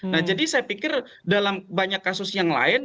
nah jadi saya pikir dalam banyak kasus yang lain